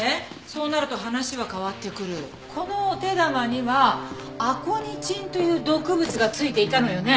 このお手玉にはアコニチンという毒物が付いていたのよね？